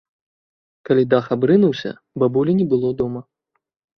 Калі дах абрынуўся, бабулі не было дома.